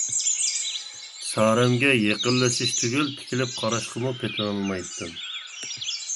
سارەمگە يېقىنلىشىش تۈگۈل تىكىلىپ قاراشقىمۇ پېتىنالمايتتىم.